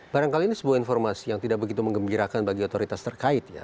barangkali ini sebuah informasi yang tidak begitu mengembirakan bagi otoritas terkait ya